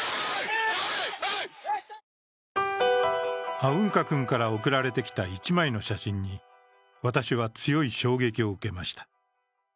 アウンカ君から送られてきた１枚の写真に私は強い衝撃を受けました。